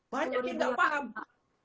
banyak yang gak paham